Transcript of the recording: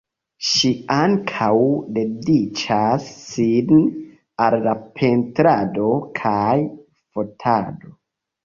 Ŝi ankaŭ dediĉas sin al la pentrado kaj fotado.